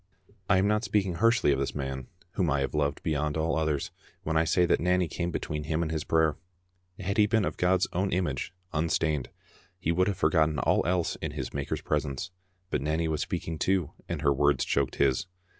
I am not speaking harshly of this man, whom I have loved bejrond all others, when I say that Nanny came Digitized by VjOOQ IC Vraflc^c of a Aub touBC. 115 between him and his prayer. Had he been of God's own image, unstained, he would have forgotten all else in his Maker's presence, but Nanny was speaking too, and her words choked his.